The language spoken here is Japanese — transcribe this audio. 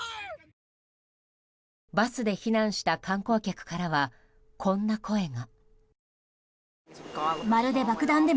バスで避難した観光客からはこんな声が。